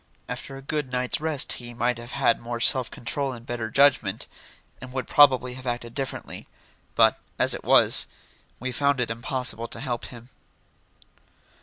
After a good night's rest he might have had more self control and better judgment, and would probably have acted differently. But, as it was, we found it impossible to help him.